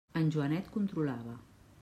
Que Joanet controlava.